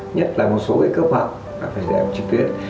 nhất là một số cái cơ bảo là phải giải học trực tuyến